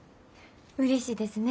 うれしいですね。